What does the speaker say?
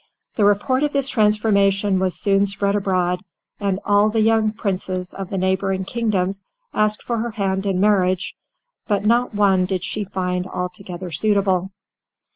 The report of this transformation was soon spread abroad, and all the young Princes of the neighbouring kingdoms asked for her hand in marriage, but not one did she find altogether suitable.